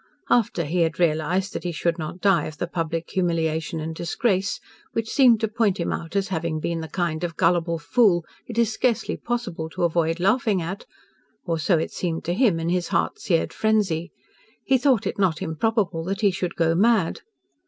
After he had realised that he should not die of the public humiliation and disgrace, which seemed to point him out as having been the kind of gullible fool it is scarcely possible to avoid laughing at or, so it seemed to him in his heart seared frenzy he thought it not improbable that he should go mad.